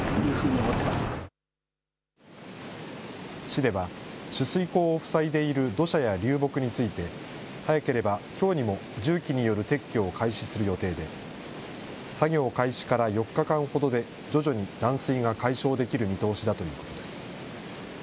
市では、取水口を塞いでいる土砂や流木について、早ければきょうにも重機による撤去を開始する予定で、作業開始から４日間ほどで徐々に断水が解消できる見通しだということです。